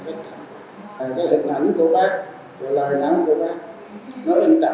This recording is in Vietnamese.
và cái hình ảnh của bác cái lời dạn của bác